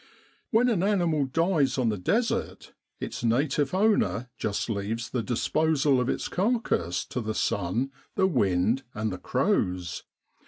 When an animal dies on the Desert its native owner just leaves the disposal of its carcase to the ^un, the wind, and the crows.